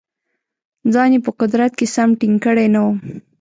ځان یې په قدرت کې سم ټینګ کړی نه وو.